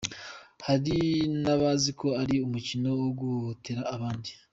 Hari n'abazi ko ari umukino wo guhohotera abandi.